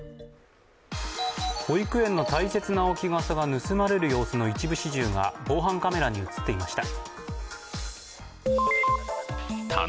保育園の大切な置き傘が盗まれる様子の防犯カメラに映っていました。